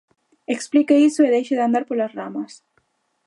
Explique iso e deixe de andar polas ramas.